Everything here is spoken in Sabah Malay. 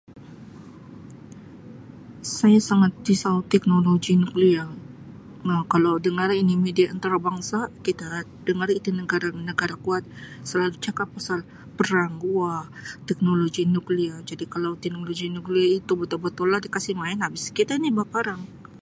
"Saya sangat risau teknologi nuklear Um kalau dengar ini midia antara bangsa kita dengar itu negara-negara kuat selalu cakap pasal perang, ""war"", teknologi nuklear, jadi kalau teknologi nuklear itu betul-betul lah dikasi main habis kita ini beparang."